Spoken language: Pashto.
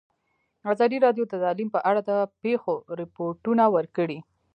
ازادي راډیو د تعلیم په اړه د پېښو رپوټونه ورکړي.